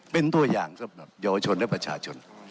เป็นตัวอย่างสำหรับเยาวชนและประชาชน